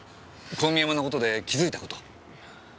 小見山の事で気付いた事。